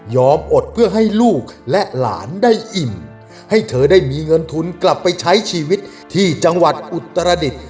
อดเพื่อให้ลูกและหลานได้อิ่มให้เธอได้มีเงินทุนกลับไปใช้ชีวิตที่จังหวัดอุตรดิษฐ์